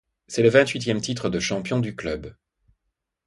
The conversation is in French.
C’est le vingt-huitième titre de champion du club.